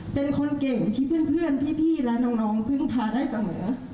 เป็นคนเก่งที่เพื่อนพี่และน้องพึ่งพาได้เสมอ